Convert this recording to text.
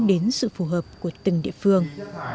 đến sự phù hợp của từng địa phương